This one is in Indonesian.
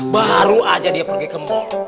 baru saja dia pergi ke mal